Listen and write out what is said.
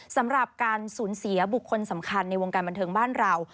สำหรับการสูญเสียบุคคลสำคัญในวงการบันเทิงบ้านเรา